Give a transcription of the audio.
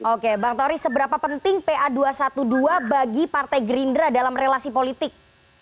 oke bang tori seberapa penting pa dua ratus dua belas bagi partai gerindra dalam relasi politik